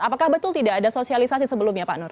apakah betul tidak ada sosialisasi sebelumnya pak nur